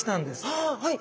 ああはい。